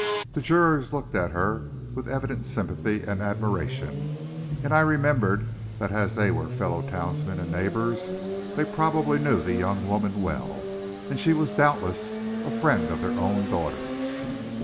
The jurors looked at her with evident sympathy and admiration, and I remembered that as they were fellow townsmen and neighbors they probably knew the young woman well, and she was doubtless a friend of their own daughters.